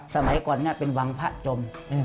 สมัยก่อนเป็นวังพระจม